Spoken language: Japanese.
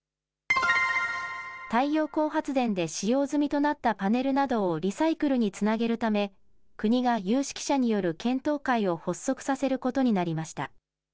太陽光発電で使用済みとなったパネルなどをリサイクルにつなげるため国が有識者による検討会を発足させることになりました。